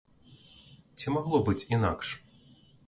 Ці магло быць інакш?